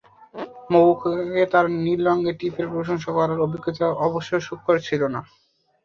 মহুয়াকে তার নীল রঙের টিপের প্রশংসা করার অভিজ্ঞতা অবশ্য সুখকর ছিল না।